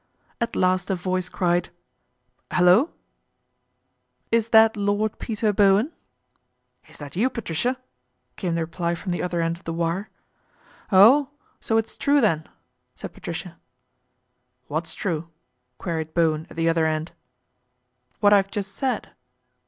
At last a voice cried, " Hullo !"" Is that Lord Peter Bowen ?"" Is that you, Patricia ?" came the reply trom he other end of the wire. " Oh, so it is true then !" said Patricia. ' What's true ?" queried Bowen at the other nd. ' What I've just said."